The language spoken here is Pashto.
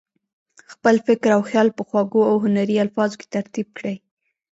خپل فکر او خیال په خوږو او هنري الفاظو کې ترتیب کړي.